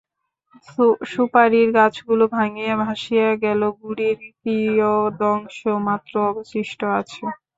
সুপারির গাছগুলা ভাঙিয়া ভাসিয়া গেছে, গুঁড়ির কিয়দংশ মাত্র অবশিষ্ট আছে।